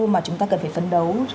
mà chúng ta cần phải phấn đấu